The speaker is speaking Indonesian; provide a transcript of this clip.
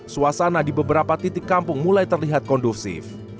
suasana di beberapa titik kampung mulai terlihat kondusif